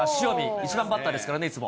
１番バッターですからね、いつも。